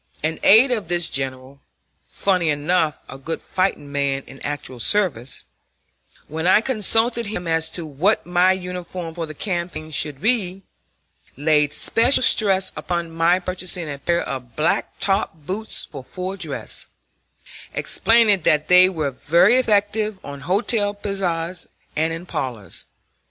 An aide of this general funnily enough a good fighting man in actual service when I consulted him as to what my uniform for the campaign should be, laid special stress upon my purchasing a pair of black top boots for full dress, explaining that they were very effective on hotel piazzas and in parlors.